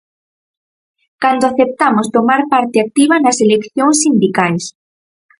Cando aceptamos tomar parte activa nas eleccións sindicais.